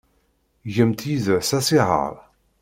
Gemt yid-s asihaṛ.